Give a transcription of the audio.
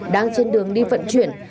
đang trên đường đi vận chuyển